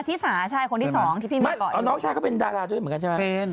ที่สาใช่คนที่สองที่พี่ไม่เอาน้องชายก็เป็นดาราด้วยเหมือนกันใช่ไหม